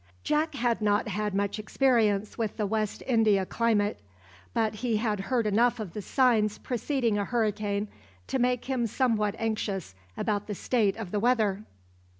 Jack had not had much experience with the West India climate; but he had heard enough of the signs preceding a hurricane to make him somewhat anxious about the state of the weather.